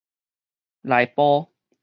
內埔